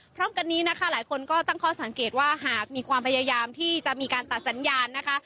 พร้อมกันนี้นะคะหลายคนก็ตั้งข้อสังเกตว่าหากมีความพยายามที่จะมีการตัดสัญญาณนะคะ